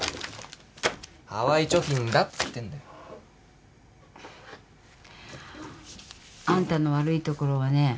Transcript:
ハワイ貯金だっつってんだよ。あんたの悪いところはね